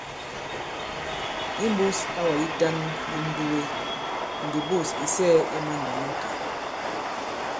Imbūs awà yitan yi ǹnduge ndi bûs ì sɛɛ̄ i mandàmakè.